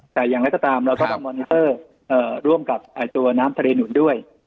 แต่ตามเราลองดูในการซื้อน้ำทะเลหนูด้วย